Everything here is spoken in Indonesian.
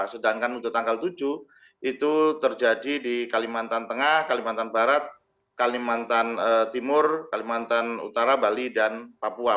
sedangkan untuk tanggal tujuh itu terjadi di kalimantan tengah kalimantan barat kalimantan timur kalimantan utara bali dan papua